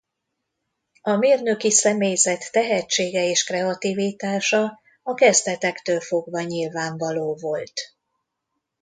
A mérnöki személyzet tehetsége és kreativitása a kezdetektől fogva nyilvánvaló volt.